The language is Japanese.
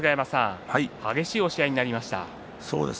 激しい押し合いになりました。